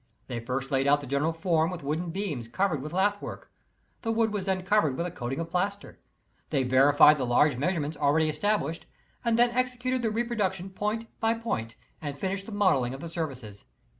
They first laid out the general form with wooden beams covered with lath work. The wood was then covered with a coating of plaster. They verified the large measurements already established, and then executed the reproduction point by point, and finished the modeling of the surfaces.